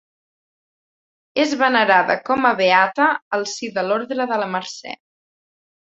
És venerada com a beata al si de l'Orde de la Mercè.